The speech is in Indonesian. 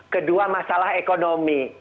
kedua masalah ekonomi